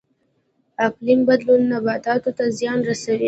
اقلیم بدلون نباتاتو ته زیان رسوي